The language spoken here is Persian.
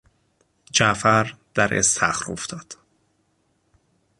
جعفر در استخر افتاد.